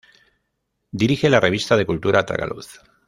Dirige la revista de cultura Tragaluz.